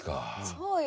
そうよ。